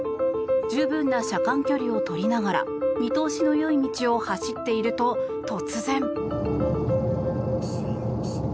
十分な車間距離をとりながら見通しの良い道を走っていると突然。